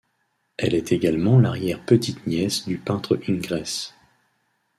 Elle est également l'arrière-petite-nièce du peintre Ingres.